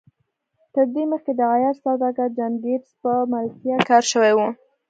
تر دې مخکې د عياش سوداګر جان ګيټس په ملتيا کار شوی و.